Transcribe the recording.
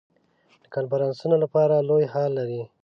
د کنفرانسونو لپاره لوی هال لري.